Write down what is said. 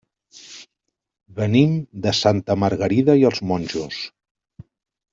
Venim de Santa Margarida i els Monjos.